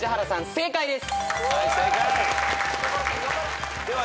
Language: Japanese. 正解です。